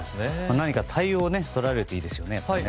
何か対応を取られているんですよね。